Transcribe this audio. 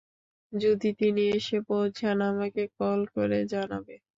যদি তিনি এসে পৌঁছান আমাকে কল করে জানাবে।